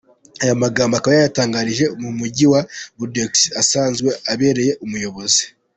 Aya magambo akaba yayatangarije mu mujyi wa Bordeaux asanzwe abereye umuyobozi.